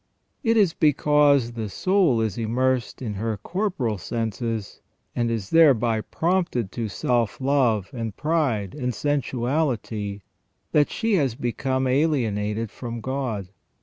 It is because the soul is immersed in her corporal senses, and is thereby prompted to self love, and pride, and sensuality, that she has become alienated from God.